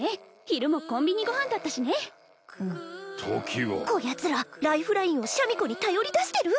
昼もコンビニご飯だったしねうん時はこやつらライフラインをシャミ子に頼りだしてる？